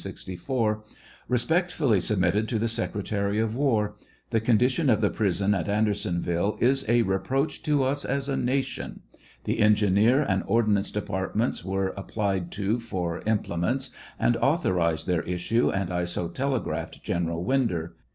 Kespectfutly submitted to the secretary of war. The condition of the prison at Audersonville is a repreach to us as a nation. ■ The engineer and ordnance departments were applied to for implements, and authorized their issue, and I so telegraphed General Winder.